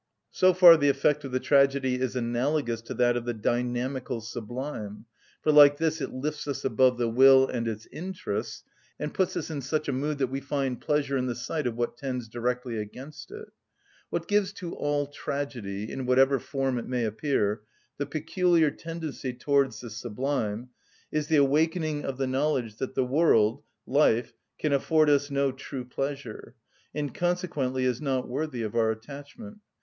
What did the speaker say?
So far the effect of the tragedy is analogous to that of the dynamical sublime, for like this it lifts us above the will and its interests, and puts us in such a mood that we find pleasure in the sight of what tends directly against it. What gives to all tragedy, in whatever form it may appear, the peculiar tendency towards the sublime is the awakening of the knowledge that the world, life, can afford us no true pleasure, and consequently is not worthy of our attachment.